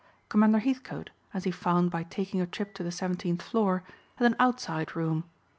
Commander Heathcote, as he found by taking a trip to the seventeenth floor, had an outside room.